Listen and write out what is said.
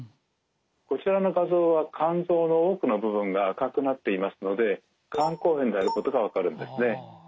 こちらの画像は肝臓の多くの部分が赤くなっていますので肝硬変であることが分かるんですね。